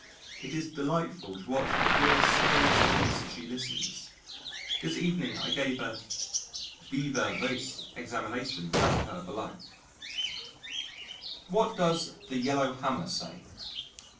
It is delightful to watch her dear serious face as she listens.... This evening I gave a viva voce examination as per below: "What does the Yellow Hammer say?"